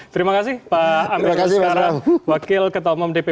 terima kasih pak amir